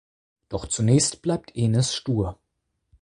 Doch zunächst bleibt Enis stur.